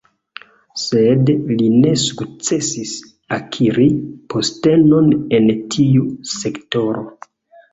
Sed li ne sukcesis akiri postenon en tiu sektoro.